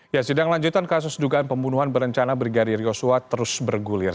ya sidang lanjutan kasus dugaan pembunuhan berencana brigadir yosua terus bergulir